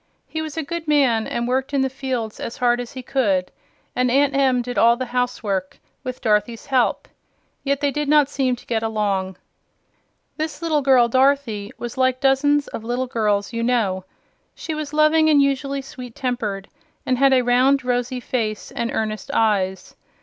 He was a good man, and worked in the field as hard as he could; and Aunt Em did all the housework, with Dorothy's help. Yet they did not seem to get along. This little girl, Dorothy, was like dozens of little girls you know. She was loving and usually sweet tempered, and had a round rosy face and earnest eyes.